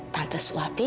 tante teh suapin ya